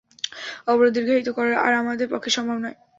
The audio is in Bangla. অবরোধ দীর্ঘায়িত করা আর আমাদের পক্ষে সম্ভব নয়।